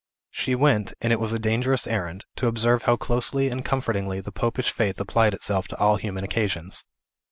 She went and it was a dangerous errand to observe how closely and comfortingly the popish faith applied itself to all human occasions.